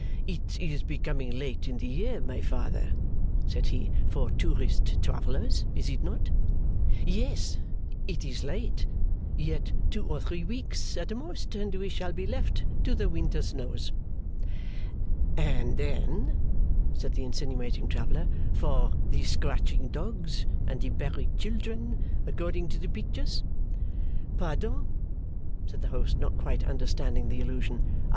'It is becoming late in the year, my Father,' said he, 'for tourist travellers, is it not?' 'Yes, it is late. Yet two or three weeks, at most, and we shall be left to the winter snows.' 'And then,' said the insinuating traveller, 'for the scratching dogs and the buried children, according to the pictures!' 'Pardon,' said the host, not quite understanding the allusion.